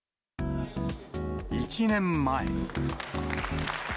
１年前。